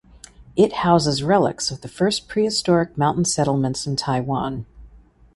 It houses relics of the first prehistoric mountain settlements in Taiwan.